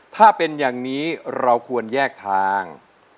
ถ้าเป็นอย่างนี้เราควรแยกทาง